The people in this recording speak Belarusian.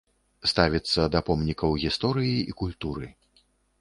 Ставіцца да помнікаў гісторыі і культуры.